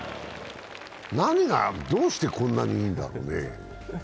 何がどうして、こんなにいいんだろうね。